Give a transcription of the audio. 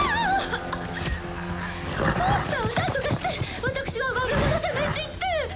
ああっポッター何とかして私は悪者じゃないって言って！